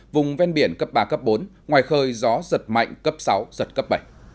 vùng ven biển cấp ba cấp bốn ngoài khơi gió giật mạnh cấp sáu giật cấp bảy